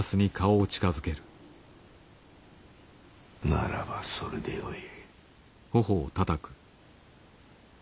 ならばそれでよい。